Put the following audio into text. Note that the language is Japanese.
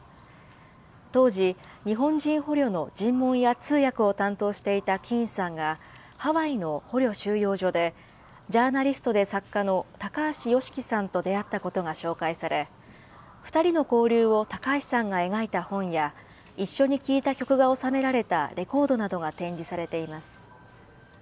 当時、日本人捕虜の尋問や通訳を担当していたキーンさんが、ハワイの捕虜収容所で、ジャーナリストで作家の高橋義樹さんと出会ったことが紹介され、２人の交流を高橋さんが描いた本や、一緒に聴いた曲が収められたレコードなどが展示されています。